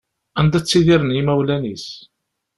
Anda ttidiren yimawlan-is.